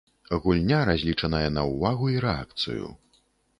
Гульня разлічаная на ўвагу і рэакцыю.